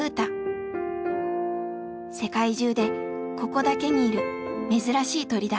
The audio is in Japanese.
世界中でここだけにいる珍しい鳥だ。